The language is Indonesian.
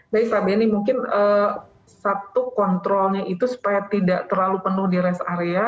baik pak benny mungkin satu kontrolnya itu supaya tidak terlalu penuh di rest area